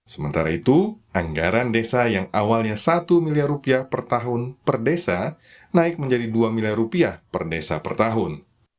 sementara itu anggaran desa yang awalnya satu miliar rupiah per tahun per desa naik menjadi dua miliar rupiah per desa per tahun